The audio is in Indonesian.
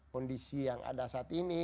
kondisi yang ada saat ini